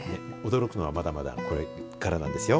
驚くのはまだまだこれからなんですよ。